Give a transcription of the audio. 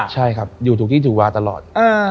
ใช่ครับอยู่ถูกที่ถูกวาตลอด